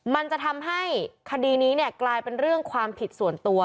มันจะทำให้คดีนี้เนี่ยกลายเป็นเรื่องความผิดส่วนตัว